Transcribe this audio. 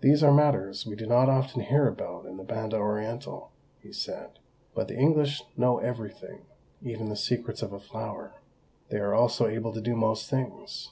"These are matters we do not often hear about in the Banda Orientál," he said. "But the English know everything even the secrets of a flower. They are also able to do most things.